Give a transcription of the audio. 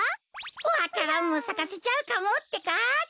わか蘭もさかせちゃうかもってか。